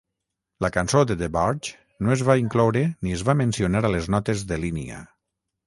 La cançó de DeBarge no es va incloure ni es va mencionar a les notes de línia.